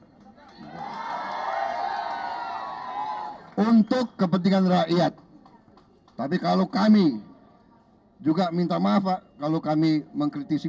yang diperlukan pak untuk kepentingan rakyat tapi kalau kami juga minta maaf kalau kami mengkritisi